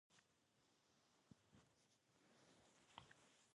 نجلۍ پاک زړه لري.